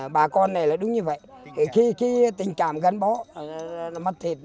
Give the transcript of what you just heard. bà con này là đúng như vậy khi tình cảm gắn bó mất thịt